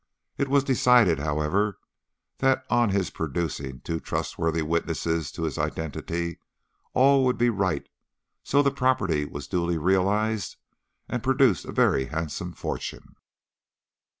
It was decided, however, that on his producing two trustworthy witnesses to his identity all would be right, so the property was duly realised and produced a very handsome fortune.